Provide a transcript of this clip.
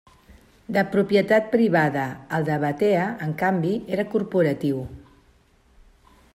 De propietat privada, el de Batea, en canvi, era corporatiu.